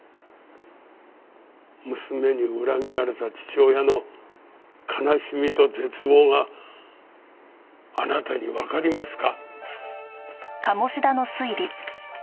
娘に裏切られた父親の悲しみと絶望があなたにわかりますか？